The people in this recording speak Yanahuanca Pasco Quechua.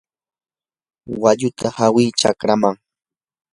walluta hawi chakraman.